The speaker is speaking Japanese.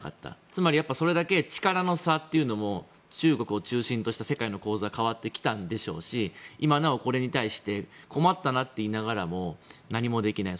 つまり、それだけ力の差というのも中国を中心とした世界の構図は変わってきたんでしょうし今なお、これに対して困ったなと言いながらも何もできない。